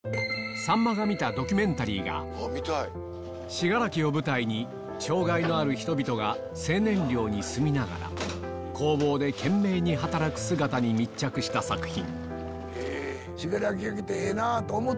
信楽を舞台に障がいのある人々が青年寮に住みながら工房で懸命に働く姿に密着した作品